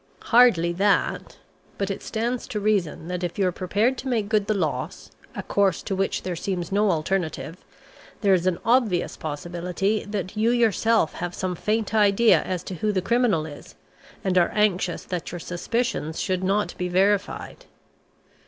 "Hardly that. But it stands to reason that if you are prepared to make good the loss a course to which there seems no alternative there is an obvious possibility that you yourself have some faint idea as to who the criminal is, and are anxious that your suspicions should not be verified."